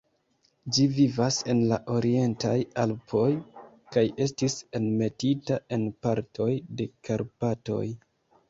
Ĝi vivas en la Orientaj Alpoj, kaj estis enmetita en partoj de Karpatoj.